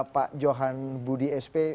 pak johan budi sp